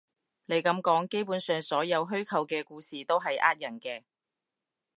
你噉講，基本上所有虛構嘅故事都係呃人嘅